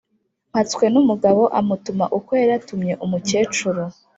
mpatswenumugabo, amutuma uko yari yatumye umukecuru.